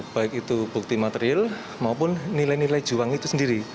baik itu bukti material maupun nilai nilai juang itu sendiri